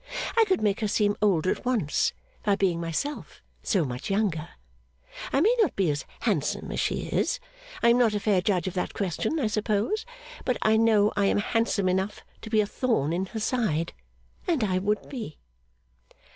I could make her seem older at once, by being myself so much younger. I may not be as handsome as she is; I am not a fair judge of that question, I suppose; but I know I am handsome enough to be a thorn in her side. And I would be!